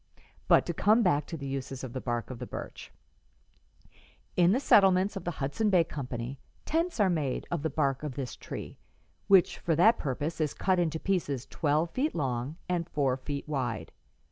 But to come back to the uses of the bark of the birch: "'In the settlements of the Hudson Bay Company tents are made of the bark of this tree, which for that purpose is cut into pieces twelve feet long and four feet wide.